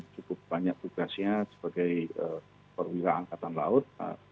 cukup banyak tugasnya sebagai perwira angkatan laut